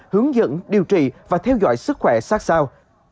hướng dẫn điều trị và theo dõi sức khỏe sát sao